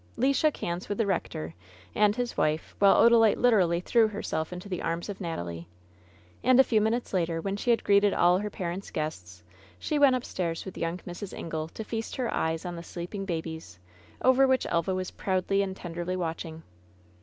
Le shook hands with the rector and his wife, while Odalite literally threw herself into the arms of Natalie. And a few minutes later, when she had greeted all her parents' guests, she went upstairs with yoimg Mrs. Ingle to feast her eyes on the sleeping babies over which Elva was proudly and tenderly watching.